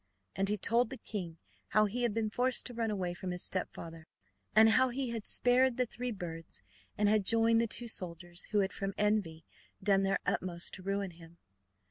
And he told the king how he had been forced to run away from his stepfather, and how he had spared the three birds, and had joined the two soldiers, who had from envy done their utmost to ruin him.